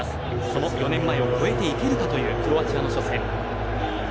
その４年前を超えていけるかというクロアチアの初戦。